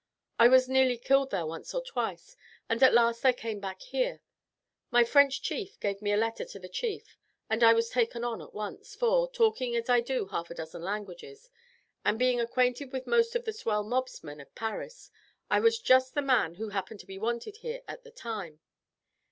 I was nearly killed there once or twice, and at last I came back here. My French chief gave me a letter to the chief, and I was taken on at once, for, talking as I do half a dozen languages, and being acquainted with most of the swell mobsmen of Paris, I was just the man who happened to be wanted here at the time.